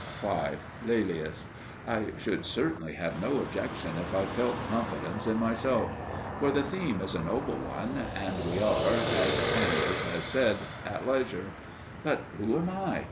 5. Laelius. I should certainly have no objection if I felt confidence in myself. For the theme is a noble one, and we are (as Fannius has said) at leisure. But who am I?